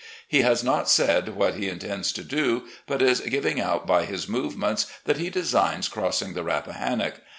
He has not said what he intends to do, but is giving out by his movements that he designs crossing the Rappahannock.